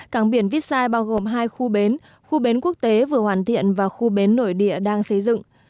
cảng biển vítsai bao gồm hai khu bến khu bến quốc tế vừa hoàn thiện và khu bến nổi địa đang xây dựng